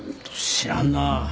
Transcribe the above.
知らんなぁ。